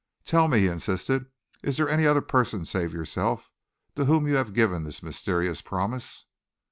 "Tell me," he insisted, "is there any other person save yourself to whom you have given this mysterious promise?"